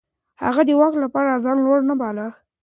هغه د واک لپاره ځان لوړ نه باله.